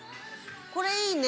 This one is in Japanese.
これいいね。